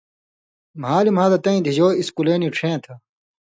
مھالیۡ مھالہ تَیں دِھجو اِسکُلے نی ڇِہیں تھہ۔